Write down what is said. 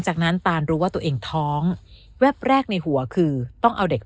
จากนั้นตานรู้ว่าตัวเองท้องแวบแรกในหัวคือต้องเอาเด็ก